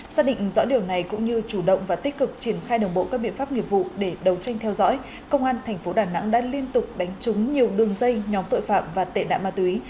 xác định rõ điều này cũng như chủ động và tích cực triển khai đồng bộ các biện pháp nghiệp vụ để đấu tranh theo dõi công an thành phố đà nẵng đã liên tục đánh trúng nhiều đường dây nhóm tội phạm và tệ nạn ma túy